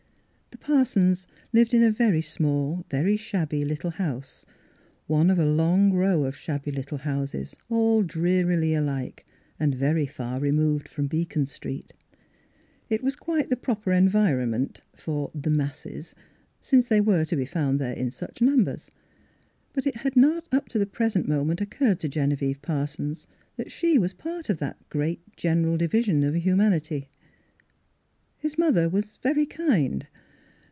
The Parsons lived in a very small, very shabby little house, one of a long row of shabby little houses, all drearily alike, and very far removed from Beacon Street. It was quite the proper environment for " the Miss Philura's Wedding Gown masses " (since they were to be found there in such numbers), but it had not up to the present moment occurred to Gene vieve Parsons that she was a part of that great general division of humanity. His mother was very kind.